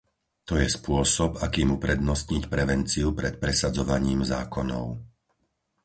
To je spôsob, akým uprednostniť prevenciu pred presadzovaním zákonov.